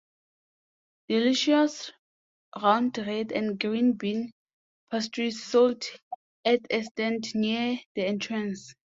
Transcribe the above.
Delicious round red and green bean pastries sold at a stand near the entrance.